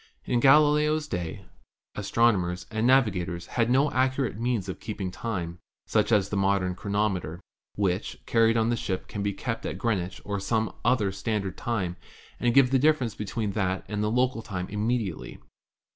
In Galileo's day astronomers and navigators had no ac curate means of keeping time, such as the modern chro nometer, which, carried on a ship, can be kept at Green wich or some other standard time and give the difference between that and local time immediately.